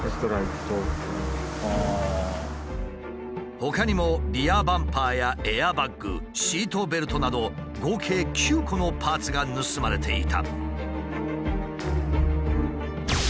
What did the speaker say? ほかにもリアバンパーやエアバッグシートベルトなど合計９個のパーツが盗まれていた。